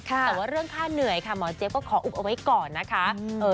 แต่ว่าเรื่องค่าเหนื่อยค่ะหมอเจี๊ยก็ขออุบเอาไว้ก่อนนะคะ